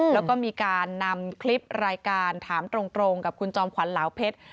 แล้วก็มีการนำคลิปรายการถามตรงกับคุณจอมขวัญเหลาเพชร